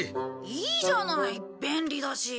いいじゃない便利だし。